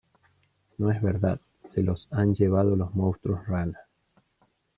no es verdad. se los han llevado los monstruos rana